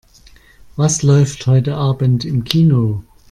Was läuft heute Abend im Kino?